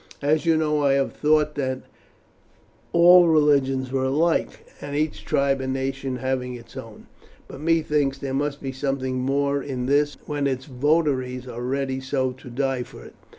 As you know, I have thought that all religions were alike, each tribe and nation having its own. But methinks there must be something more in this when its votaries are ready so to die for it."